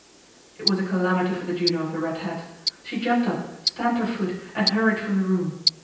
It was a calamity for the Juno of the red hat. She jumped up, stamped her foot, and hurried from the room.